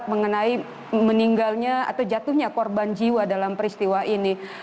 mengenai meninggalnya atau jatuhnya korban jiwa dalam peristiwa ini